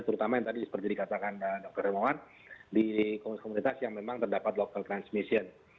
terutama yang tadi seperti dikatakan dr hermawan di komunitas komunitas yang memang terdapat local transmission